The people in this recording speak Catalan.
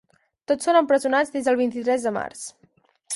Tots són empresonats des del vint-i-tres de març.